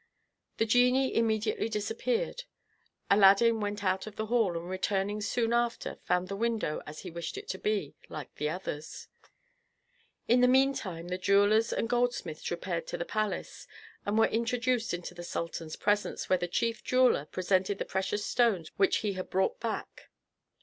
The genie immediately disappeared. Aladdin went out of the hall, and returning soon after, found the window, as he wished it to be, like the others. In the meantime, the jewellers and goldsmiths repaired to the palace, and were introduced into the sultan's presence, where the chief jeweller presented the precious stones which he had brought back.